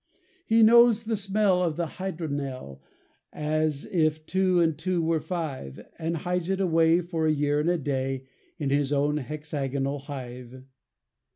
He knows the smell of the hydromel As if two and two were five; And hides it away for a year and a day In his own hexagonal hive.